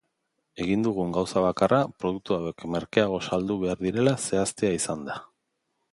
Egin dugun gauza bakarra produktu hauek merkeago saldu behar direla zehaztea izan da.